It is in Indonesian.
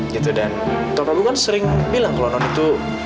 gitu dan top aku kan sering bilang kalau non itu